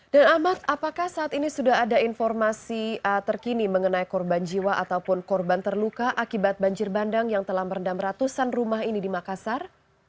dan ahmad apakah saat ini sudah ada informasi terkini mengenai korban jiwa ataupun korban terluka akibat banjir bandang yang telah merendam ratusan rumah ini di makassar